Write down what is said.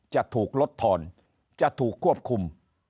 จะถูกลดทอนจะถูกควบคุม